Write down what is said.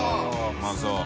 うまそう。